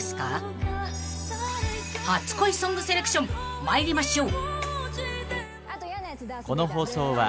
［初恋ソングセレクション参りましょう］